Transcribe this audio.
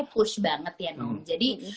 push banget ya jadi